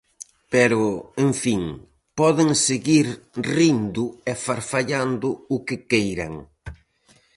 Pero, en fin, poden seguir rindo e farfallando o que queiran.